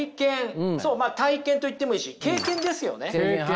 体験と言ってもいいし経験ですよね。